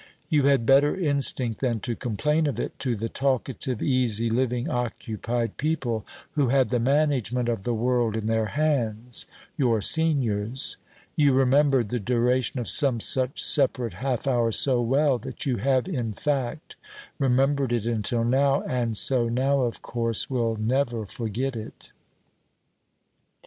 You had better instinct than to complain of it to the talkative, easy living, occupied people, who had the management of the world in their hands your seniors. You remembered the duration of some such separate half hour so well that you have in fact remembered it until now, and so now, of course, will never forget it.